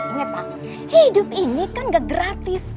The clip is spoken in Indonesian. ingat pak hidup ini kan gak gratis